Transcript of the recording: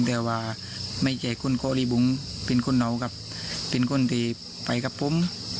แต่ว่าไม่ใช่คนของก่อลิบวงเป็นคนที่ไปกับผม